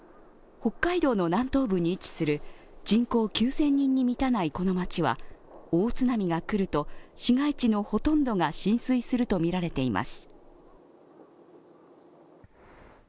北海道の南東部に位置する人口９０００人に満たないこの町は大津波が来ると市街地のほとんどが浸水するとみられています。